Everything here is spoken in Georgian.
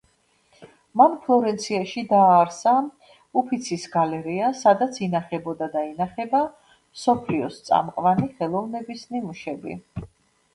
მან ფლორენციაში დააარსა უფიცის გალერეა სადაც ინახებოდა და ინახება მსოფლიოს წამყვანი ხელოვნების ნიმუშები.